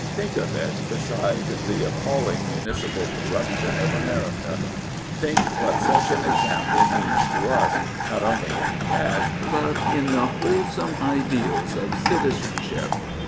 Think of it beside the appalling municipal corruption of America, Think what such an example means to us, not only in cash, but in the wholesome ideals of citizenship.